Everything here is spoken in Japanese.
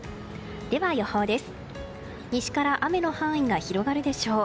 では、予報です。